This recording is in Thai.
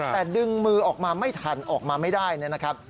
แต่ดึงมือออกมาไม่ทันออกมาไม่ได้นะครับ